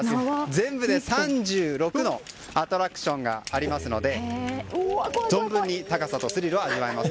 全部で３６のアトラクションがありますので存分に高さとスリルを味わえます。